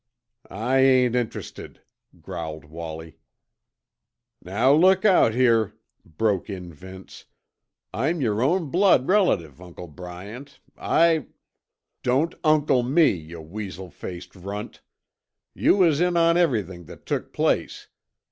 "I ain't interested," growled Wallie. "Now lookut here," broke in Vince, "I'm yer own blood relative, Uncle Bryant. I " "Don't 'uncle' me, yuh weasel faced runt! You was in on everything that took place.